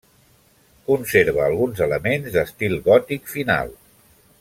Conserva alguns elements d'estil gòtic final.